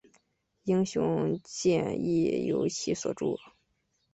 英雄剑亦由其所铸。